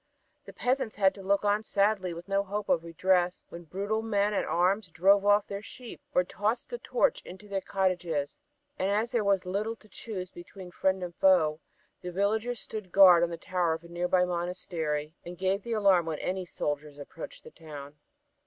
The peasants had to look on sadly, with no hope of redress, when brutal men at arms drove off their sheep, or tossed the torch into their cottages and as there was little to choose between friend and foe, the villagers stood guard in the tower of a nearby monastery, and gave the alarm when any soldiers approached the town.